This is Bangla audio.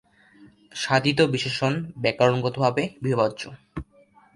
সাধিত বিশেষণ ব্যকরণগতভাবে বিভাজ্য।